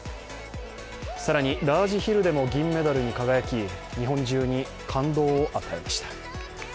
更にラージヒルでも銀メダルに輝き、日本中に感動を与えました。